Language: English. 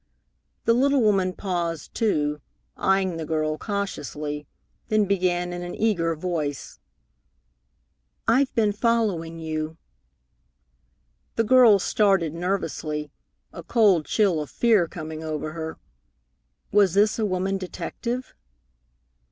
The little woman paused, too, eying the girl cautiously, then began in an eager voice: "I've been following you." The girl started nervously, a cold chill of fear coming over her. Was this a woman detective?